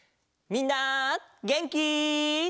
みんなげんき？